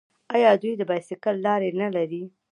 آیا دوی د بایسکل لارې نلري؟